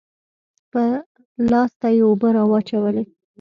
لاس ته يې اوبه رااچولې.